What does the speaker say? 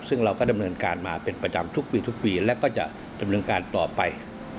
ซึ่งเราก็ดำเนินการมาเป็นประจำทุกปีทุกปีและก็จะดำเนินการต่อไป